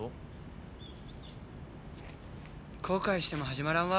後悔しても始まらんわ。